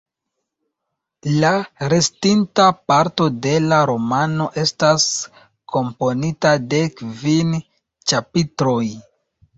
La restinta parto de la romano estas komponita de kvin ĉapitroj.